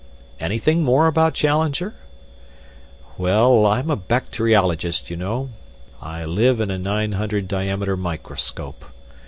"Anything more about Challenger?" "Well, I'm a bacteriologist, you know. I live in a nine hundred diameter microscope.